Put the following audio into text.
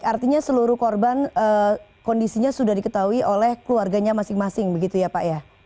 jadi maksudnya seluruh korban kondisinya sudah diketahui oleh keluarganya masing masing begitu ya pak ya